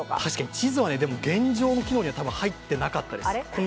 地図は現状の機能にはたぶん入ってなかったです。